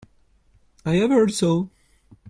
I have heard so.